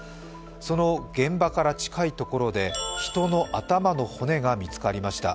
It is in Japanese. その現場から近い所で人の頭の骨が見つかりました。